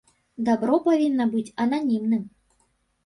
Дабро павінна быць ананімным.